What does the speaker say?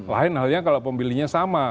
lain halnya kalau pemilihnya sama